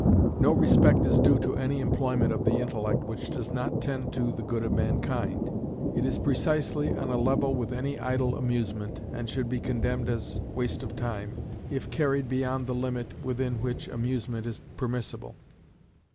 No respect is due to any employment of the intellect which does not tend to the good of mankind. It is precisely on a level with any idle amusement, and should be condemned as waste of time, if carried beyond the limit within which amusement is permissible.